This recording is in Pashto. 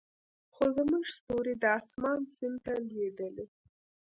خو زموږ ستوري د اسمان سیند ته لویدلې